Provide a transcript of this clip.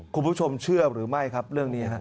คุณผู้ชมเชื่อหรือไม่ครับเรื่องนี้ครับ